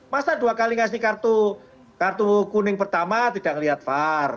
masa dua kali ngasih kartu kuning pertama tidak ngeliat var